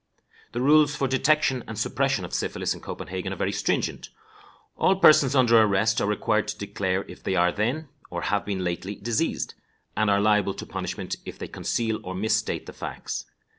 The rules for detection and suppression of syphilis in Copenhagen are very stringent. All persons under arrest are required to declare if they are then, or have been lately diseased, and are liable to punishment if they conceal or misstate the facts.